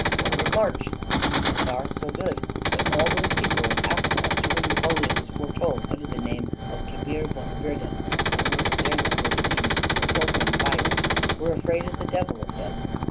Forward, march!' So far, so good. But all those people of Africa, to whom Napoleon was foretold under the name of Kébir Bonaberdis a word of their lingo that means 'the sultan fires' were afraid as the devil of him.